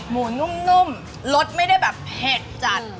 หมูนุ่มรสไม่ได้แบบเผ็ดจัด